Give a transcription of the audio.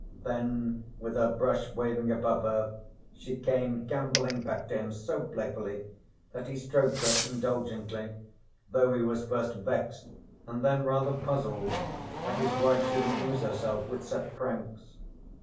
Then, with her brush waving above her, she came gambolling back to him so playfully that he stroked her indulgently, though he was first vexed, and then rather puzzled that his wife should amuse herself with such pranks.